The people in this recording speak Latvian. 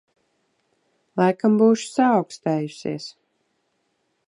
Laikam būšu saaukstējusies.